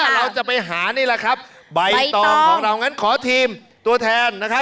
เราจะไปหานี่แหละครับใบตองของเรางั้นขอทีมตัวแทนนะครับ